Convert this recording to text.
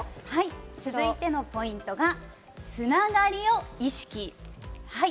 続いてのポイントはつながりを意識。